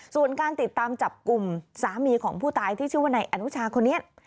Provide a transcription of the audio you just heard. ส่วนการติดตามจับกลุ่มสามีของผู้ตายที่ชื่อว่านายอนุชาคนนี้